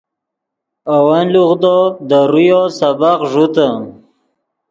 اے ون لوغدو دے رویو سبق ݱوتے